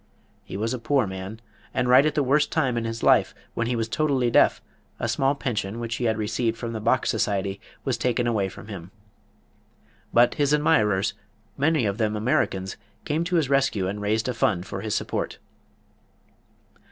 He was a poor man, and right at the worst time in his life, when he was totally deaf, a small pension which he had received from the Bach Society was taken away from him. But his admirers, many of them Americans, came to his rescue and raised a fund for his support.